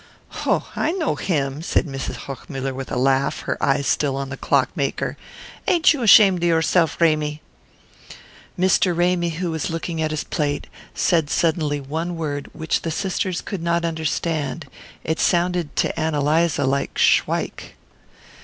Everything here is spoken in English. "Ho! I know him," said Mrs. Hochmuller with a laugh, her eyes still on the clock maker. "Ain't you ashamed of yourself, Ramy?" Mr. Ramy, who was looking at his plate, said suddenly one word which the sisters could not understand; it sounded to Ann Eliza like "Shwike."